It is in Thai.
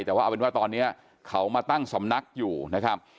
แต่ว่าเอาเป็นว่าตอนนี้เขามาตั้งสำนักอยู่นะครับ